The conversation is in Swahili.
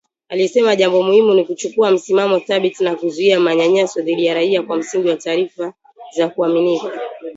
Alisema jambo muhimu ni kuchukua msimamo thabiti na kuzuia manyanyaso dhidi ya raia kwa msingi wa taarifa za kuaminika